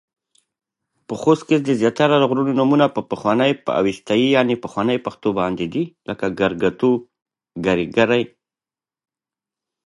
زما حولی باد ويوړه